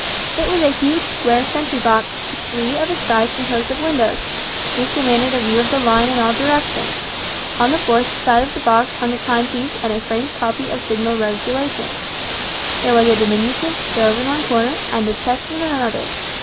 It was a huge square sentry box, with three of its sides composed of windows; these commanded a view of the line in all directions. On the fourth side of the box hung a time piece and a framed copy of signal regulations. There was a diminutive stove in one corner, and a chest in another.